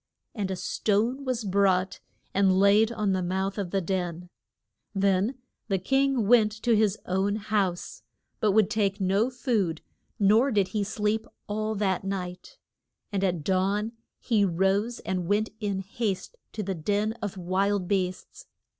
And a stone was brought and laid on the mouth of the den. [Illustration: ROCK GRAVE OF DA RI US.] Then the king went to his own house, but would take no food, nor did he sleep all that night. And at dawn he rose and went in haste to the den of wild beasts.